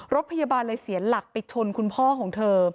รถพยาบาลเลยเสียหลักไปชนคุณพ่อของเธอ